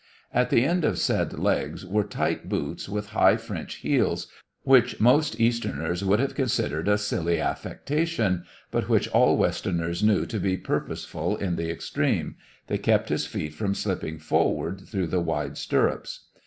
At the end of said legs were tight boots with high French heels, which most Easterners would have considered a silly affectation, but which all Westerners knew to be purposeful in the extreme they kept his feet from slipping forward through the wide stirrups.